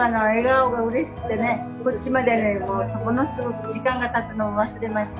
こっちまでねもうものすごく時間がたつのを忘れました。